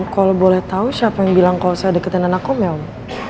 kalau boleh tahu siapa yang bilang kalau saya deketin anakku ya om